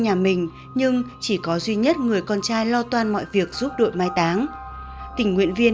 nhà mình nhưng chỉ có duy nhất người con trai lo toan mọi việc giúp đội mai táng tình nguyện viên